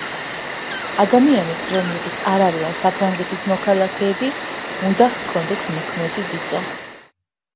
ადამიანებს, რომლებიც არ არიან საფრანგეთის მოქალაქეები, უნდა ჰქონდეთ მოქმედი ვიზა.